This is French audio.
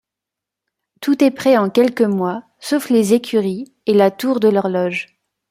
Tout est prêt en quelques mois, sauf les écuries et la tour de l'Horloge.